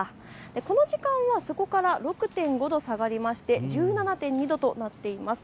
この時間はそこから６．５度下がりまして１７．２度となっています。